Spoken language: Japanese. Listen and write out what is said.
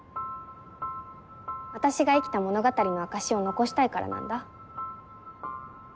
私が生きた物語の証しを残したいからなんだ。